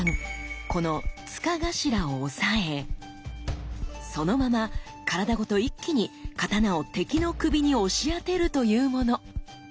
この柄頭を押さえそのまま体ごと一気に刀を敵の首に押し当てるというもの。